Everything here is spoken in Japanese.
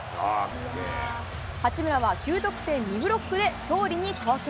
八村は９得点２ブロックで勝利に貢献。